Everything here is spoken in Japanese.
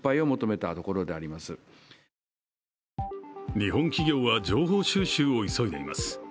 日本企業は情報収集を急いでいます。